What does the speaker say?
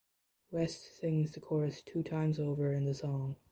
West sings the chorus two times over in the song.